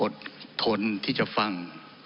อดทนที่จะฟัง